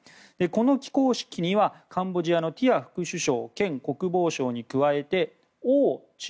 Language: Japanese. この起工式にはカンボジアのティア副首相兼国防相に加えてオウ駐